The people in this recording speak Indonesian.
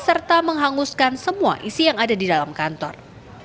serta menghanguskan semua isi yang ada di dalam kantor